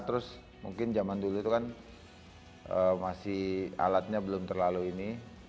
terus mungkin zaman dulu itu kan masih alatnya belum terlalu ini